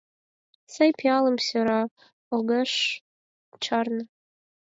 Сай пиалым сӧра, огеш чарне